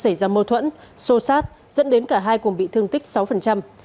việt và luân xảy ra mâu thuẫn xô xát dẫn đến cả hai cùng bị thương tích sáu